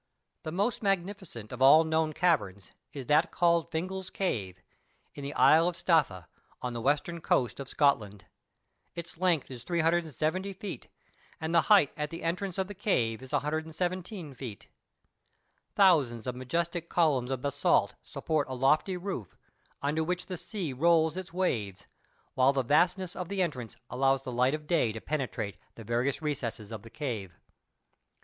The most magnificent of all known caverns, is that called Fingal's Cave, in the Isle of Staffa, on the western coast of Scotland. Its length is 370 feet; and the height at the entrance of the cave is 117 feet. Thousands of majestic columns of basalts support a lofty roof, under which the sea rolls its waves, while the vastness of the entrance allows the light of day to penetrate the various recesses of the cave.